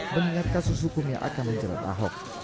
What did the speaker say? mengingat kasus hukum yang akan menjerat ahok